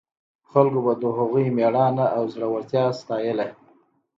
خلکو به د هغوی مېړانه او زړورتیا ستایله.